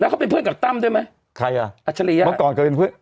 อ๋อแล้วเขาเป็นเพื่อนกับตั้มได้ไหมใครอ่ะอัชริยะเมื่อก่อนก็เป็นเพื่อน